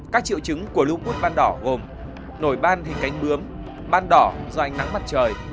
các triệu chứng của lưu quất ban đỏ gồm nổi ban hình cánh bướm ban đỏ do ánh nắng mặt trời